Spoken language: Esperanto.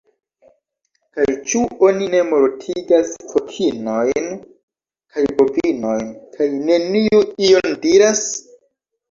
Kaj ĉu oni ne mortigas kokinojn kaj bovinojn kaj neniu ion diras?